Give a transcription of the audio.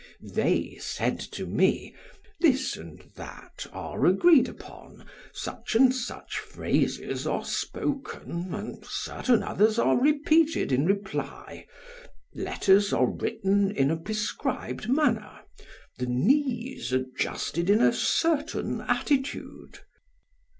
They said to me: "This and that are agreed upon, such and such phrases are spoken and certain others are repeated in reply; letters are written in a prescribed manner, the knees adjusted in a certain attitude."